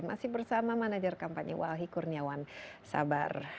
masih bersama manajer kampanye wahi kurniawan sabar